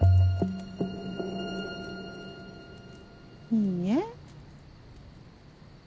いいえ。